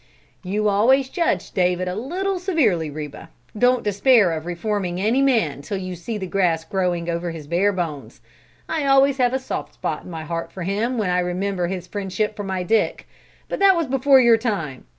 "You always judged David a little severely, Reba. Don't despair of reforming any man till you see the grass growing over his bare bones. I always have a soft spot in my heart for him when I remember his friendship for my Dick; but that was before your time.